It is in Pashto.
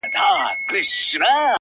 ښه به وي چي دا يې خوښـــه ســـوېده.